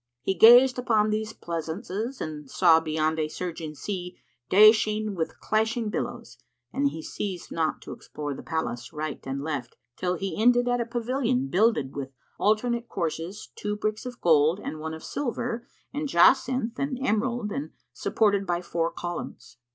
He gazed upon these pleasaunces and saw beyond a surging sea, dashing with clashing billows, and he ceased not to explore the palace right and left, till he ended at a pavilion builded with alternate courses, two bricks of gold and one of silver and jacinth and emerald and supported by four columns.